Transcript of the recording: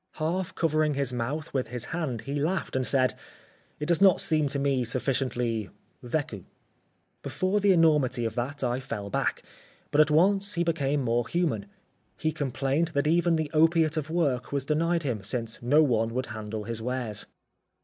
Half covering his mouth with his hand, he laughed and said: "It does not seem to me sufficiently v├®cu." Before the enormity of that I fell back. But at once he became more human. He complained that even the opiate of work was denied him, since no one would handle his wares.